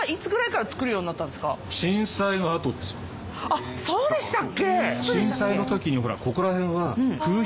あっそうでしたっけ？